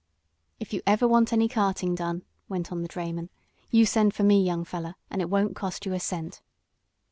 "If you ever want any carting done," went on the drayman, "you send for me, young feller, and it won't cost you a cent."